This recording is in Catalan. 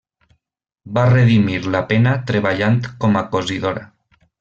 Va redimir la pena treballant com a cosidora.